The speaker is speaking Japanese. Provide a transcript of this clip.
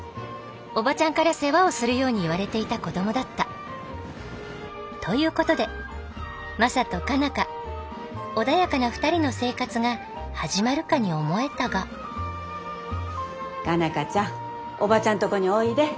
オバチャンから世話をするように言われていた子どもだった。ということでマサと佳奈花穏やかな２人の生活が始まるかに思えたが佳奈花ちゃんオバチャンとこにおいで。